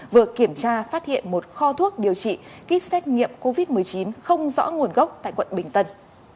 vừa kiểm tra phát hiện một kho thuốc điều trị kit xét nghiệm covid một mươi chín không rõ nguồn gốc tại quận bình tân